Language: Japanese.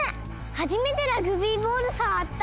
はじめてラグビーボールさわった！